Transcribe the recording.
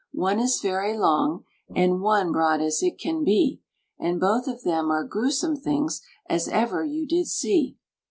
One is very long, and one Broad as it can be, And both of them are grewsome things, As ever you did see.